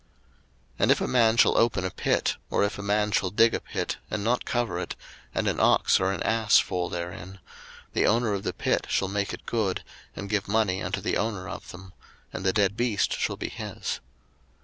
02:021:033 And if a man shall open a pit, or if a man shall dig a pit, and not cover it, and an ox or an ass fall therein; 02:021:034 The owner of the pit shall make it good, and give money unto the owner of them; and the dead beast shall be his.